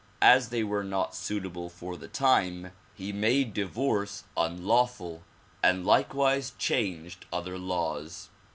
As they were not suitable for the time, he made divorce unlawful and likewise changed other laws.